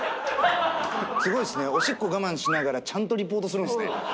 おしっこ我慢しながらちゃんとリポートするんすね。